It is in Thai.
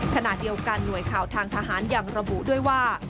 ขณะเดียวกันหน่วยข่าวทางทหารยังระบุด้วยว่า